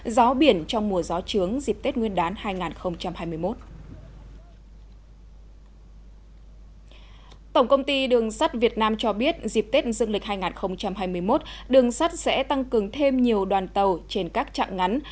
đường sắt việt nam cho biết dịp tết dương lịch hai nghìn hai mươi một đường sắt sẽ tăng cường thêm nhiều đoàn tàu trên các trạng ngắn